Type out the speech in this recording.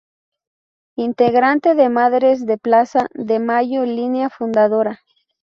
Integrante de Madres de Plaza de Mayo Línea fundadora.